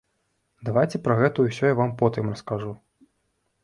Давайце пра гэта ўсё я вам потым раскажу.